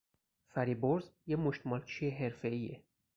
فریبرز یه مشتمالچی حرفهایه